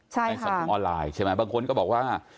ในสังคมออนไลน์ใช่ไหมบางคนก็บอกว่า